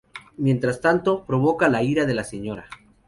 Mientras tanto, provoca la ira de la Sra.